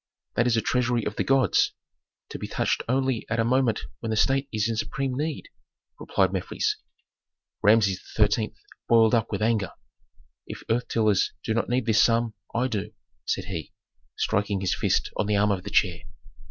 "That is a treasury of the gods, to be touched only at a moment when the state is in supreme need," replied Mefres. Rameses XIII. boiled up with anger. "If earth tillers do not need this sum, I do," said he, striking his fist on the arm of the chair.